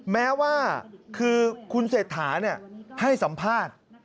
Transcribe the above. แม้ว่าคือคุณเศรษฐาให้สัมภาษณ์